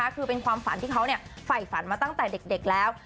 คือเป็นความฝันที่เขาไฝฝันมาตั้งแต่เด็กแล้ว